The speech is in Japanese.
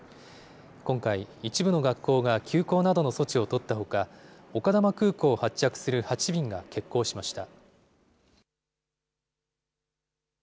今回、一部の学校が休校などの措置を取ったほか、丘珠空港を発着する８便が欠航しました。